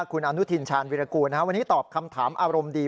คุณอนุทินชาญวิรากูลวันนี้ตอบคำถามอารมณ์ดี